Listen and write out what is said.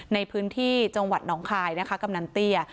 ในพื้นที่จังหวัดหนองคายนะคะกำนันเตี้ย